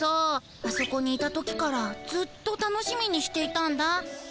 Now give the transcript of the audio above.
あそこにいた時からずっと楽しみにしていたんだ。